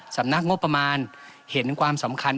สำนักงบประมาณเห็นความสำคัญ